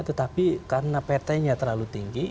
tetapi karena pt nya terlalu tinggi